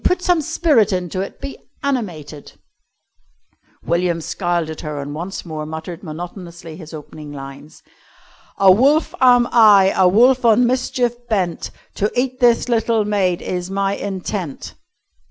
Put some spirit into it. Be animated." William scowled at her and once more muttered monotonously his opening lines: "A wolf am I a wolf on mischief bent, To eat this little maid is my intent."